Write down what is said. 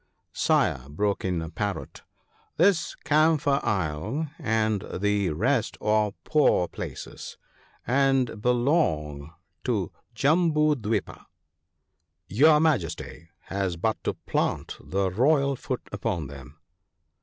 ' Sire/ broke in a Parrot, ' this Camphor isle and the rest are poor places, and belong to Jambu dwipa. Your Majesty has but to plant the royal foot upon them.'